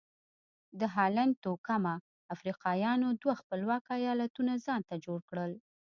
د هالنډ توکمه افریقایانو دوه خپلواک ایالتونه ځانته جوړ کړل.